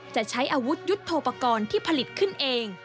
จะใช้อาวุธยุทธโปรกรณ์ที่ผลิตขึ้นเอง